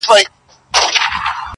o ما د مرگ ورځ به هم هغه ورځ وي.